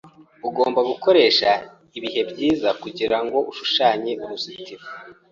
Ugomba gukoresha ibihe byiza kugirango ushushanye uruzitiro.